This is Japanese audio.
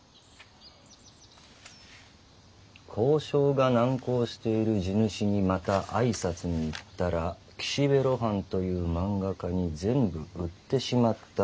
「交渉が難航している地主にまたあいさつに行ったら岸辺露伴という漫画家に全部売ってしまったという。